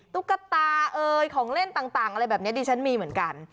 ตุ๊กตาเอ่ยของเล่นต่างอะไรแบบนี้ดิฉันมีเหมือนกัน